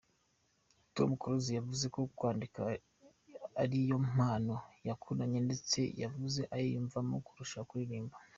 Tom Close yavuze ko kwandika ari yo mpano yakuranye ndetse yakuze ayiyumvamo kurusha kuririmba.